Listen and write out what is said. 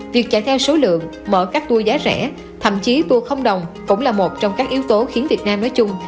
việc chạy theo số lượng mở các tour giá rẻ thậm chí tour không đồng cũng là một trong các yếu tố khiến việt nam nói chung